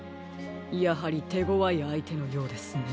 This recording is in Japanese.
やはりてごわいあいてのようですね。